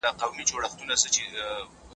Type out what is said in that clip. موږ يو.